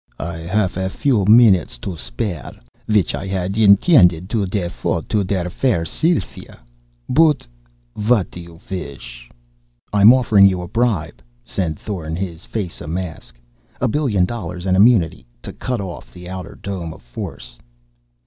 I haff a few minutes to spare, which I had intended to defote to der fair Sylva. But what do you wish?" "I'm offering you a bribe," said Thorn, his face a mask. "A billion dollars and immunity to cut off the outer dome of force."